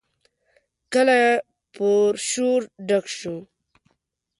کلی پر شور ډک شو.